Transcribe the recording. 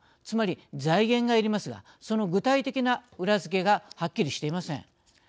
つまり、財源がいりますがその具体的な裏付けがはっきりしていません。